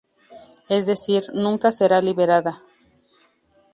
Es decir, nunca será liberada.